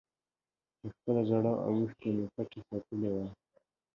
چې خپله ژړا او اوښکې مې پټې ساتلې وای